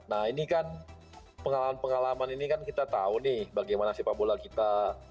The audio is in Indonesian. nah ini kan pengalaman pengalaman ini kan kita tahu nih bagaimana sepak bola kita